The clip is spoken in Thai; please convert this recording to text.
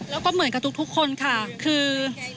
แล้วก็เหมือนกับทุกคนค่ะคือ